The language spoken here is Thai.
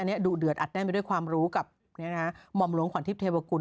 อันเนี้ยดุเดือดอัดแน่นไปด้วยความรู้กับนี่นะฮะหม่อมหลวงขวัญทิพย์เทพกุล